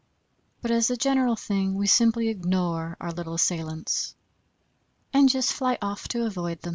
But as a general thing we simply ignore our little assailants, and just fly off to avoid them.